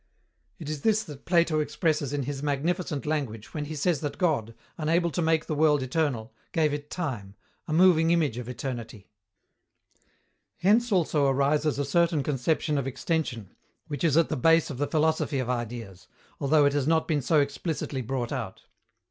It is this that Plato expresses in his magnificent language when he says that God, unable to make the world eternal, gave it Time, "a moving image of eternity." Hence also arises a certain conception of extension, which is at the base of the philosophy of Ideas, although it has not been so explicitly brought out.